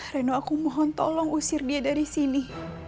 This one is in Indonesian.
reno aku mohon tolong usir dia dari sini